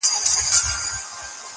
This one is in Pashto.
جواب دي راکړ خپل طالع مي ژړوینه٫